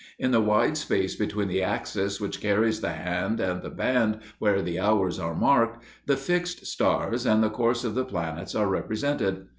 In the wide space between the axis which carries the hand and the band where the hours are marked, the fixed stars and the course of the planets are represented.